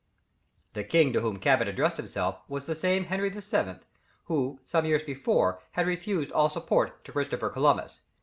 The king to whom Cabot addressed himself was the same Henry VII. who some years before had refused all support to Christopher Columbus.